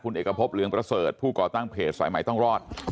คุณเอกภพหลวงเบลอเสิร์ชผู้ก่อตั้งเพจสายใหม่ต้องรอด